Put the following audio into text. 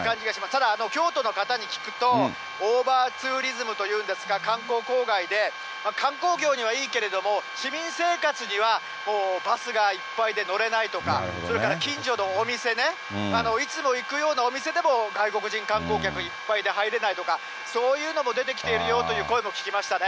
ただ京都の方に聞くと、オーバーツーリズムというんですか、観光公害で、観光業にはいいけれども、市民生活にはもう、バスがいっぱいで乗れないとか、それから近所のお店ね、いつも行くようなお店でも外国人観光客がいっぱいで入れないとか、そういうのも出てきているよという声も聞きましたね。